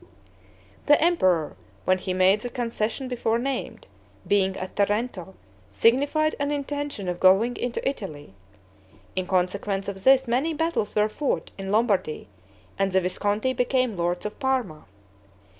The emperor, when he made the concession before named, being at Tarento, signified an intention of going into Italy. In consequence of this, many battles were fought in Lombardy, and the Visconti became lords of Parma.